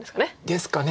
ですかね。